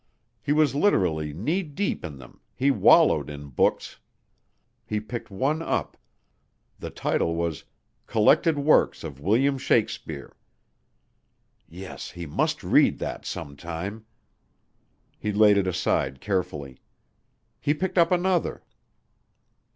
He was literally knee deep in them, he wallowed in books. He picked one up. The title was "Collected Works of William Shakespeare." Yes, he must read that, sometime. He laid it aside carefully. He picked up another.